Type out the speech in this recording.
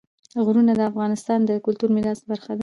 غرونه د افغانستان د کلتوري میراث برخه ده.